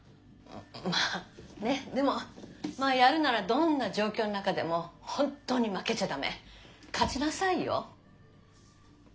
まあねでもやるならどんな状況の中でも本当に負けちゃ駄目勝ちなさいよ。